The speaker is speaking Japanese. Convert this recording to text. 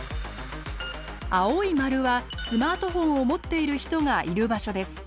青い丸はスマートフォンを持っている人がいる場所です。